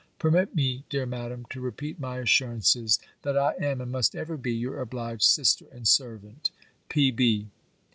Permit me, dear Madam, to repeat my assurances, that I am, and must ever be, your obliged sister and servant, P.